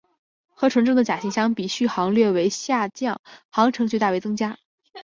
和纯正的甲型相比航速略为下降航程却大为增加。